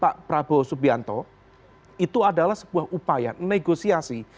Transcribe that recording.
pak prabowo subianto itu adalah sebuah upaya negosiasi